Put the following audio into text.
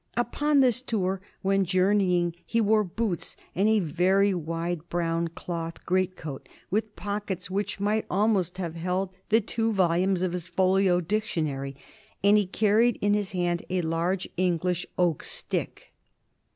Upon this tour when journeying he wore boots and a very wide brown cloth great coat with pockets which might almost have held the two volumes of his folio dictionary, and he carried in his hand a large English oak stick."